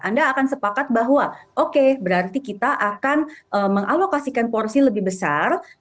anda akan sepakat bahwa oke berarti kita akan mengalokasikan porsi lebih besar